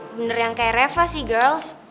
bener yang kayak reva sih girls